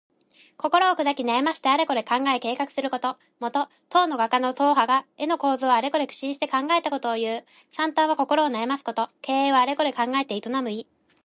心をくだき、悩ましてあれこれ考え計画すること。もと、唐の画家の曹覇が絵の構図をあれこれ苦心して考えたことをいう。「惨憺」は心を悩ますこと。「経営」はあれこれ考えて営む意。